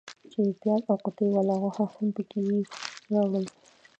چې پیاز او قوطۍ والا غوښې هم پکې وې راوړل.